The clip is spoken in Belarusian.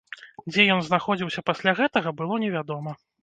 Дзе ён знаходзіўся пасля гэтага, было невядома.